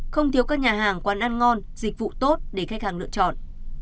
không thiếu các nhà hàng quán ăn ngon dịch vụ tốt để khách hàng lựa chọn